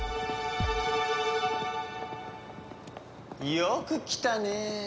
よく来たね。